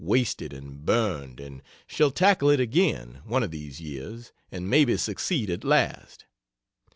wasted and burned and shall tackle it again, one of these years and maybe succeed at last.